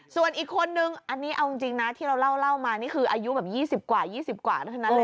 ส่วนอีกคนนึงอันนี้เอาจริงนะที่เราเล่ามานี่คืออายุแบบ๒๐กว่า๒๐กว่าเท่านั้นเลย